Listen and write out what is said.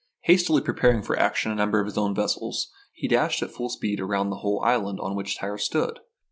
Hastily preparing for action a number of his own vessels, he dashed at full speed around the whole island on which Tyre stood.